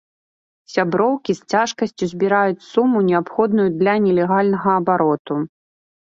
Сяброўкі з цяжкасцю збіраюць суму, неабходную для нелегальнага аборту.